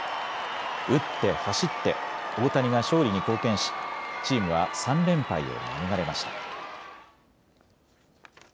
打って、走って大谷が勝利に貢献しチームは３連敗を免れました。